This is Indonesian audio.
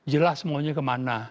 jelas maunya kemana